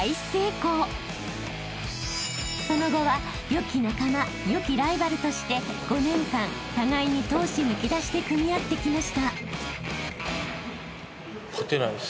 ［その後は良き仲間良きライバルとして５年間互いに闘志むき出しで組み合ってきました］